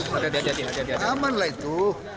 tidak ada lah itu